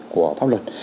của pháp luật